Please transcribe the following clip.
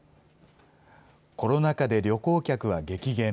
コロナ禍で旅行客は激減。